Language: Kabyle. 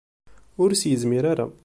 Ur s-yezmir ara.